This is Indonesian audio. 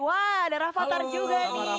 wah ada rafatar juga nih